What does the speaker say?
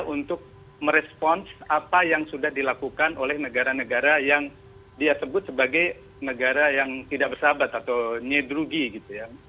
untuk merespons apa yang sudah dilakukan oleh negara negara yang dia sebut sebagai negara yang tidak bersahabat atau nyedrugi gitu ya